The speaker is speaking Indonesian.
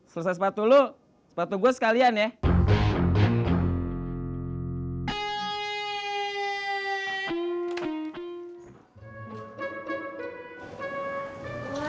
selesai sepatu dulu sepatu gue sekalian ya